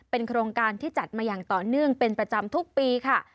โครงการที่จัดมาอย่างต่อเนื่องเป็นประจำทุกปีค่ะ